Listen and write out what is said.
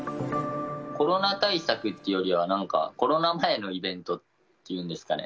コロナ対策というよりはなんかコロナ前のイベントっていうんですかね。